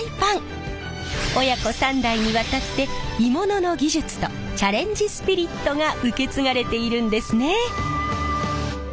親子３代にわたって鋳物の技術とチャレンジスピリットが受け継がれているんですね！